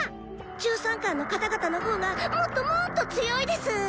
１３冠の方々の方がもっともっと強いです！